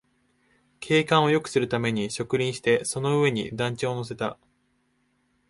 景観をよくするために植林して、その上に団地を乗せた